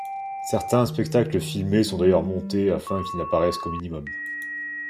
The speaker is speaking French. Certains spectacles filmés sont d'ailleurs montés afin qu'il n'apparaisse qu'au minimum.